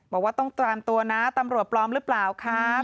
บอกว่าต้องตามตัวนะตำรวจปลอมหรือเปล่าครับ